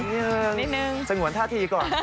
จะเหมือนท่าทีก่อน